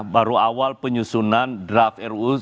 baru awal penyusunan draft ruu